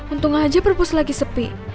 untung aja purpose lagi sepi